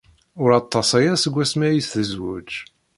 Ur aṭas aya seg wasmi ay tezwej.